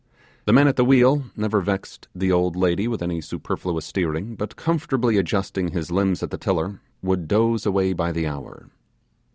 The man at the wheel never vexed the old lady with any superfluous steering, but comfortably adjusting his limbs at the tiller, would doze away by the hour.